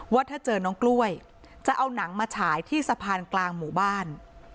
ว่าถ้าเจอน้องกล้วยจะเอาหนังมาฉายที่สะพานกลางหมู่บ้าน